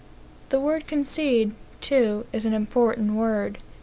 The word "concede," too, is an important word.